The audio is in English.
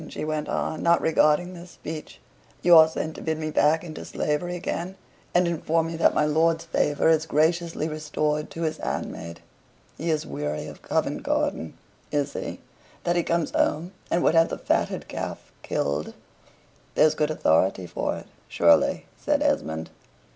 she went on, not regarding this speech. "You are sent to bid me back into slavery again, and inform me that my lord's favor is graciously restored to his handmaid? He is weary of Covent Garden, is he, that he comes home and would have the fatted calf killed?" "There's good authority for it, surely," said Esmond.